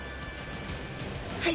はい。